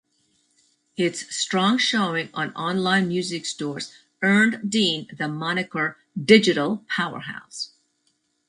Its strong showing on online music stores earned Dean the moniker "digital powerhouse".